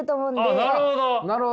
あなるほど。